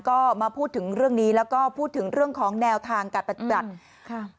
ก็มาพูดถึงเรื่องนี้แล้วก็พูดถึงเรื่องของแนวทางการปฏิบัติค่ะ